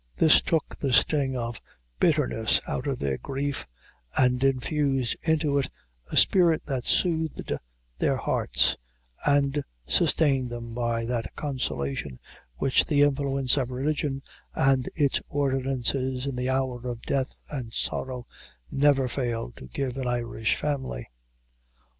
This took the sting of bitterness out of their grief, and infused into it a spirit that soothed their hearts, and sustained them by that consolation which the influence of religion and its ordinances, in the hour of death and sorrow, never fail to give to an Irish family.